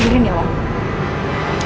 berhenti ya wak